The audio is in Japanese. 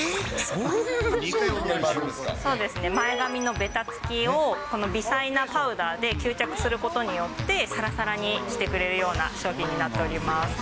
そんな商品が今、そうですね、前髪のべたつきを、この微細なパウダーで吸着することによって、さらさらにしてくれるような商品になっております。